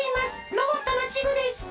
ロボットのチグです！